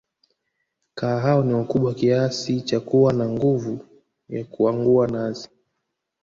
Kaa hao ni wakubwa Kiasi cha kuwa na nguvu ya kuangua nazi